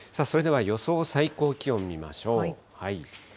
それでは予想最高気温を見ましょう。